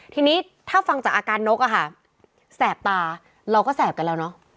ทีนี้ถ้าฟังจากอาการนกแสบตาเราก็แสบกันแล้ว